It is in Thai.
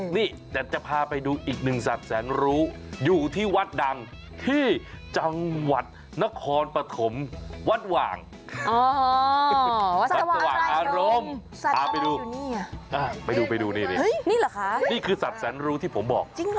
นี่ก็ดูนี่นี่นี่คือสัตว์แสนรู้ที่ผมบอก